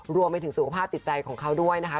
รวมไปถึงสุขภาพจิตใจของเขาด้วยนะคะ